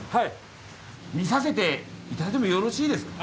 見せていただいてもよろしいですか？